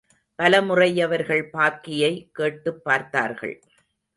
பலமுறை அவர்கள் பாக்கியை கேட்டுப் பார்த்தார்கள்.